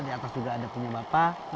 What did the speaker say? di atas juga ada punya bapak